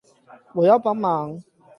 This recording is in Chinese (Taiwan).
我要幫忙